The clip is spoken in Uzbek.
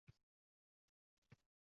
Yarim soatda, deysanmi